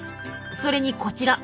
それにこちら。